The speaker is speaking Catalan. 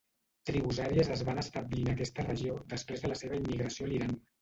Tribus àries es van establir en aquesta regió després de la seva immigració a l'Iran.